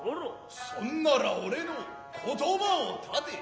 そんなら俺の詞を立て。